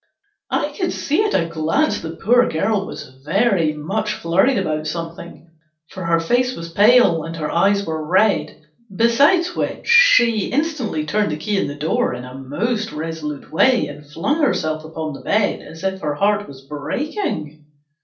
I could see at a glance the poor girl was very much flurried about something, for her face was pale, and her eyes were red ; besides which, she instantly turned the key in the door in a most resolute way, and flurg herself upon the bed as if her heart was breaking.